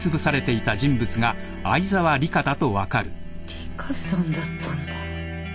里香さんだったんだ。